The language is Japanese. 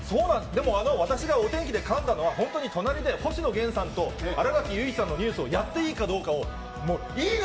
でも、私がお天気でかんだのは、本当に隣で星野源さんと新垣結衣さんのニュースをやっていいかどうかを、もう、いいの？